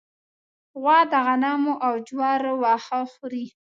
غوا د غنمو او جوارو واښه خوري.